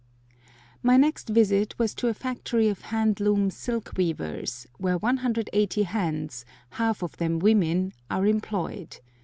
MY next visit was to a factory of handloom silk weavers, where 180 hands, half of them women, are employed.